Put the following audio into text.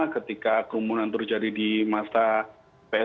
ketika kerumunan terjadi di masa psbb